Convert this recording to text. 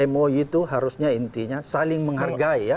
mou itu harusnya intinya saling menghargai ya